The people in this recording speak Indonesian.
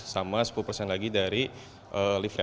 sama sepuluh persen lagi dari lift wrap